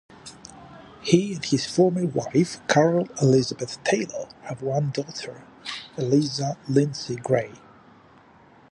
He and his former wife, Carol Elizabeth Taylor, have one daughter Eliza Lindsay Gray.